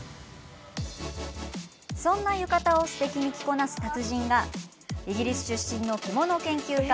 そんな浴衣をすてきに着こなす達人がイギリス出身の着物研究家